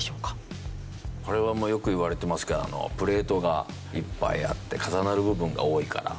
これはよくいわれてますけどプレートがいっぱいあって重なる部分が多いから。